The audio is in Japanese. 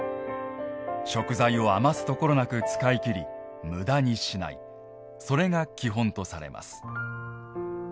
食材を余すところなく使い切り、むだにしないそれが基本とされます。